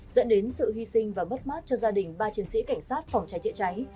dẫn đến sự hy sinh và mất mát cho gia đình ba chiến sĩ cảnh sát phòng cháy chữa cháy